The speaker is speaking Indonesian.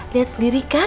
lihat sendiri kan